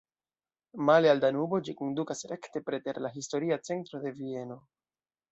Male al Danubo, ĝi kondukas rekte preter la historia centro de Vieno.